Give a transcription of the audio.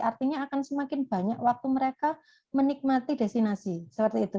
artinya akan semakin banyak waktu mereka menikmati destinasi seperti itu